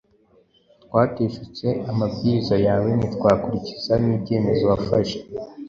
twateshutse amabwiriza yawe ntitwakurikiza n’ibyemezo wafashe.